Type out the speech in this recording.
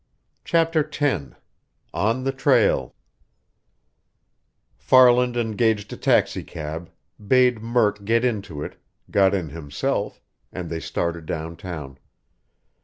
CHAPTER X ON THE TRAIL Farland engaged a taxicab, bade Murk get into it, got in himself, and they started downtown.